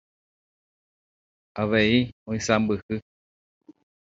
Avei oisãmbyhy.